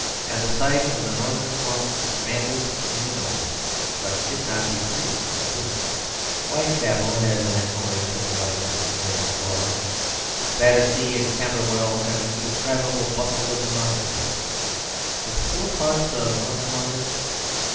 And the sight of the northern slums expanded and ennobled, but did not decrease, my gloom: Whitechapel has an Oriental gaudiness in its squalor; Battersea and Camberwell have an indescribable bustle of democracy; but the poor parts of North London...